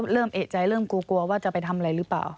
เริ่มเอกใจเริ่มกลัวกลัวว่าจะไปทำอะไรหรือเปล่า